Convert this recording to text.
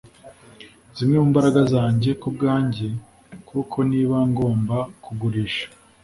zimwe mu mbaraga zanjye kubwanjye, kuko niba ngomba kugurisha